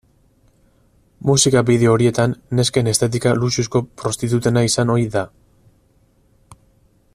Musika bideo horietan nesken estetika luxuzko prostitutena izan ohi da.